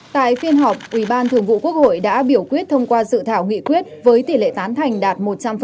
tại phiên họp ủy ban thường vụ quốc hội đã biểu quyết thông qua dự thảo nghị quyết với tỷ lệ tán thành đạt một trăm linh